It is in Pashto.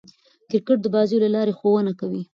کرکټ د بازيو له لاري ښوونه کوي.